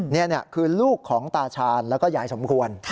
นี่คือลูกของตาชาญแล้วก็ยายสมควร